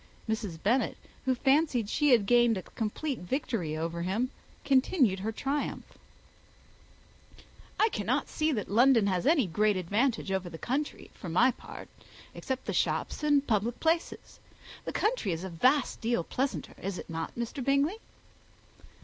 Mrs. Bennet, who fancied she had gained a complete victory over him, continued her triumph, "I cannot see that London has any great advantage over the country, for my part, except the shops and public places. The country is a vast deal pleasanter, is not it, Mr. Bingley?"